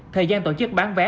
thời gian tổ chức bán vé